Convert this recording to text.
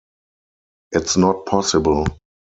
It's not possible.